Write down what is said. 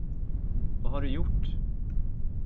Vad har du gjort?